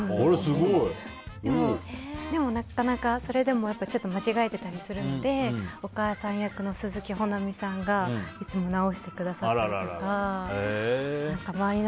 でも、なかなかそれでもちょっと間違えてたりするのでお母さん役の鈴木保奈美さんがいつも直してくださったりとか。